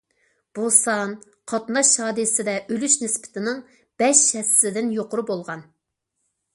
بۇ سان قاتناش ھادىسىدە ئۆلۈش نىسبىتىنىڭ بەش ھەسسىدىن يۇقىرى بولغان.